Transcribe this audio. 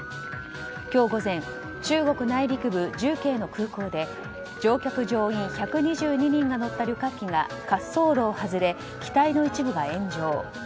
今日午前中国内陸部・重慶の空港で乗客・乗員１２２人が乗った旅客機が滑走路を外れ、機体の一部が炎上。